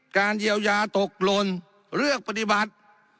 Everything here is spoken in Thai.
เยียวยาตกหล่นเลือกปฏิบัติ